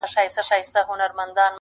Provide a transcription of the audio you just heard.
ويل يې غواړم ځوانيمرگ سي.